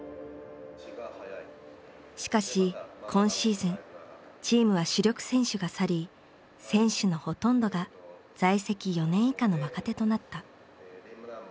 しかし今シーズンチームは主力選手が去り選手のほとんどが在籍４年以下の若手となった。